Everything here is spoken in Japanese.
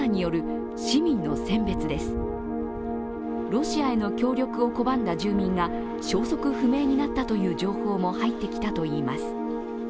ロシアへの協力を拒んだ住民が消息不明になったという情報も入ってきたといいます。